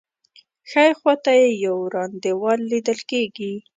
ښی خوا ته یې یو وران دیوال لیدل کېږي.